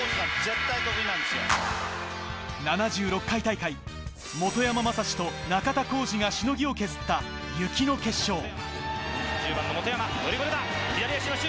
７６回大会、本山雅志と中田浩二がしのぎを削った雪の決勝。